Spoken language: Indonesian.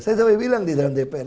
saya sampai bilang di dalam dpr